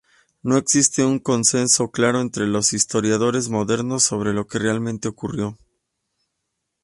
No existe un consenso claro entre los historiadores modernos sobre lo que realmente ocurrió.